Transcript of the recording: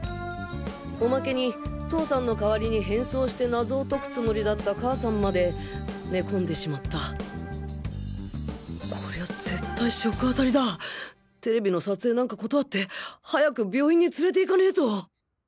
おまけに父さんのかわりに変装して謎を解くつもりだった母さんまで寝込んでしまったこりゃあ絶対食あたりだ ！ＴＶ の撮影なんか断って早く病院に連れて行かねと！